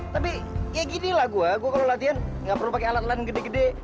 tapi ya ginilah gue gue kalau latihan nggak perlu pakai alat lain gede gede